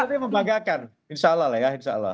ada yang membanggakan insya allah lah ya insya allah